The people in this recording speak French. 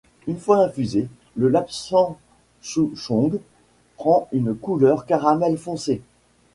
Une fois infusé, le lapsang souchong prend une couleur caramel foncé.